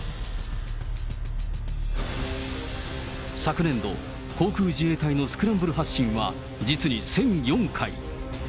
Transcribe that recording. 昨年度、航空自衛隊のスクランブル発進は、実に１００４回。